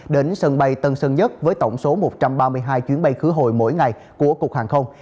đến sân bay tân sơn nhất với tổng số một trăm ba mươi hai chuyến bay khứ hồi mỗi ngày của cục hàng không